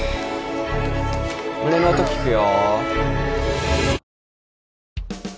胸の音聞くよ。